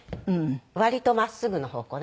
割とまっすぐの方向ね。